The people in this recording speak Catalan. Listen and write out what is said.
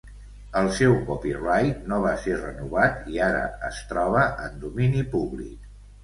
El seu copyright no va ser renovat i ara es troba en domini públic.